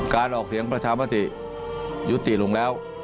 ออกเสียงประชามติยุติลงแล้ว